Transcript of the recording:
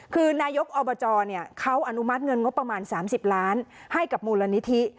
คือนายกอบจเขาอนุมัติเงินงบประมาณ๓๐ล้านให้กับมูลนิธิ